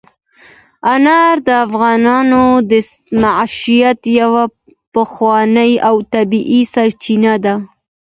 انار د افغانانو د معیشت یوه پخوانۍ او طبیعي سرچینه ده.